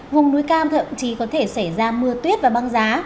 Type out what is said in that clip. vùng núi cam thậm chí có thể xảy ra mưa tuyết và băng giá